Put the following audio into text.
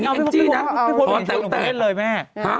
พี่โพศไปเชิดหนูไปเล่นเลยเมฮะ